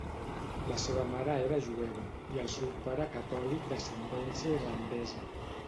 La seva mare era jueva, i el seu pare catòlic d'ascendència irlandesa.